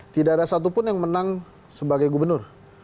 tidak ada satupun yang menang sebagai gubernur